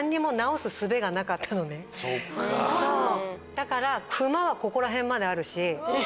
だからクマはここら辺まであるし。